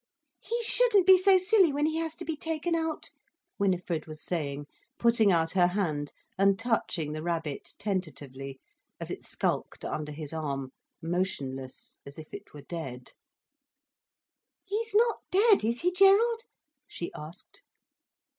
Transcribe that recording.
"He shouldn't be so silly when he has to be taken out," Winifred was saying, putting out her hand and touching the rabbit tentatively, as it skulked under his arm, motionless as if it were dead. "He's not dead, is he Gerald?" she asked.